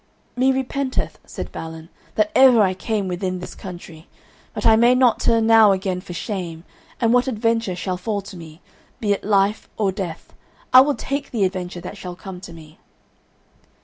"Me repenteth," said Balin, "that ever I came within this country, but I may not turn now again for shame, and what adventure shall fall to me, be it life or death, I will take the adventure that shall come to me."